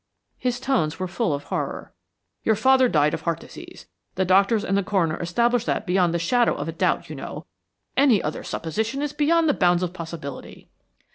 His tones were full of horror. "Your father died of heart disease. The doctors and the coroner established that beyond the shadow of a doubt, you know. Any other supposition is beyond the bounds of possibility."